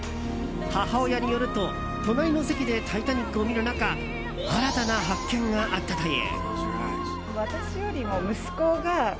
母親によると隣の席で「タイタニック」を見る中新たな発見があったという。